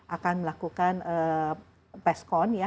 akan melakukan peskon ya